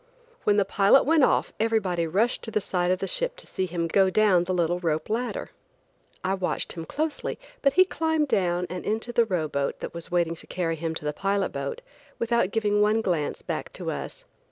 When the pilot went off everybody rushed to the side of the ship to see him go down the little rope ladder. I watched him closely, but he climbed down and into the row boat, that was waiting to carry him to the pilot boat, without giving one glance back to us.